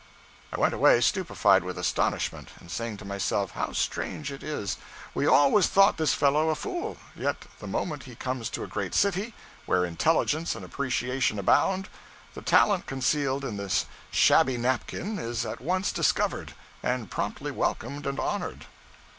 I went away stupefied with astonishment, and saying to myself, 'How strange it is! We always thought this fellow a fool; yet the moment he comes to a great city, where intelligence and appreciation abound, the talent concealed in this shabby napkin is at once discovered, and promptly welcomed and honored.'